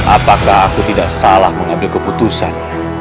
apakah aku tidak salah mengambil keputusan